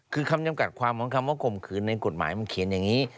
คือคำจำกัดความของคำว่าข่มขืนในกฎหมายมันเขียนอย่างนี้